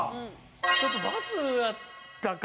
ちょっと×やったか。